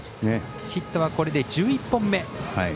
ヒットは、これで１１本目。